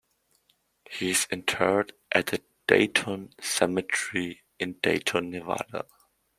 He is interred at the Dayton Cemetery in Dayton, Nevada.